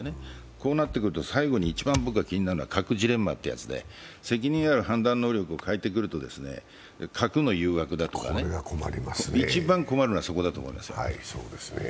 こうなってくると僕が最後に一番気になるのは核ジレンマっていうもので責任ある判断能力を欠いてくると核の誘惑だとか、一番困るのはそこだと思いますよ。